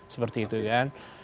seperti itu kan